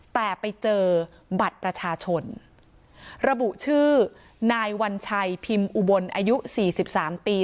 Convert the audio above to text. แต่ไปเจอบัตรประชาชนระบุชื่อนายวัญชัยพิมพ์อุบลอายุสี่สิบสามปี